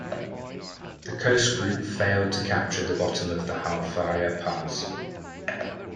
The coast group failed to capture the bottom of the Halfaya Pass.